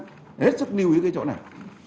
hết sức lưu ý cái chỗ này